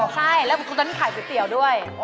ใช่แล้วตอนนี้ขายก๋วยเตี๋ยวด้วย